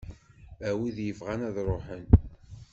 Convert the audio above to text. D wid yebɣan ad ruḥen.